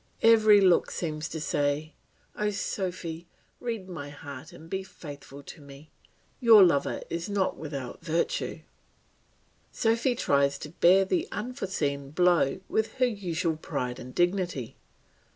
Every look seems to say, "Oh, Sophy, read my heart and be faithful to me; your lover is not without virtue." Sophy tries to bear the unforeseen blow with her usual pride and dignity.